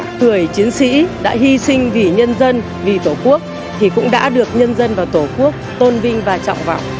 những người chiến sĩ đã hy sinh vì nhân dân vì tổ quốc thì cũng đã được nhân dân và tổ quốc tôn vinh và trọng vọng